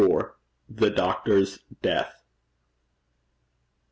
THE DOCTOR'S DEATH.